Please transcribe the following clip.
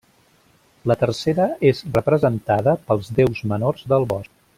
La tercera és representada pels déus menors del bosc.